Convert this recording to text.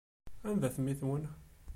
Anda-t mmi-twen?